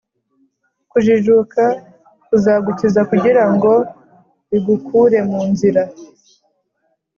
kujijuka kuzagukiza, kugira ngo bigukure mu nzira